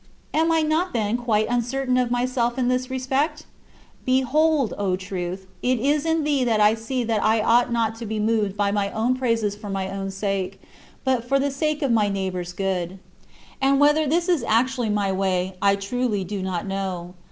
Am I not, then, quite uncertain of myself in this respect? 62. Behold, O Truth, it is in thee that I see that I ought not to be moved at my own praises for my own sake, but for the sake of my neighbor's good. And whether this is actually my way, I truly do not know.